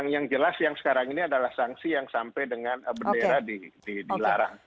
yang jelas yang sekarang ini adalah sanksi yang sampai dengan bendera dilarang